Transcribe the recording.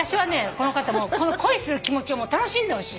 この方も恋する気持ちを楽しんでほしい。